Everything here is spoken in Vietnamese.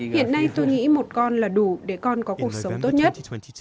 hiện nay tôi nghĩ một con là đủ để con có cuộc sống tốt nhất